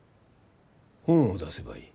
本を出せばいい。